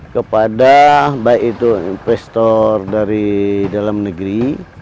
kepada baik itu investor dari dalam negeri